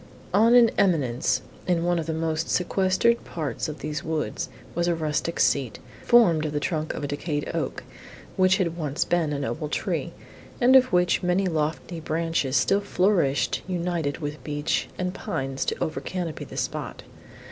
On an eminence, in one of the most sequestered parts of these woods, was a rustic seat, formed of the trunk of a decayed oak, which had once been a noble tree, and of which many lofty branches still flourishing united with beech and pines to over canopy the spot.